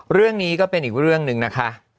เรื่องนี้ก็เป็นอีกเรื่องหนึ่งนะคะ